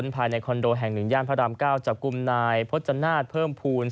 ภายในคอนโดแห่ง๑ย่านพระราม๙จับกลุ่มนายพจนาฏเพิ่มภูมิ